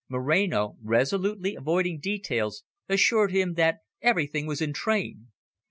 Moreno, resolutely avoiding details, assured him that everything was in train.